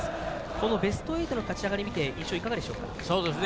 このベスト８の勝ち上がりみて印象いかがでしょうか？